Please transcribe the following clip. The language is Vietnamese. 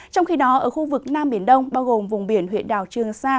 trong khi đó ở khu vực nam biển đông bao gồm vùng biển huyện đảo trương sa